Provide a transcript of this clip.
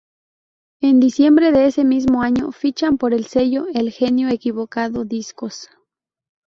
En diciembre de ese mismo año fichan por el sello "El Genio Equivocado Discos".